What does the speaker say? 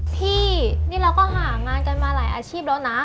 พี่นี่เราก็หางานกันมาหลายอาชีพแล้วนะ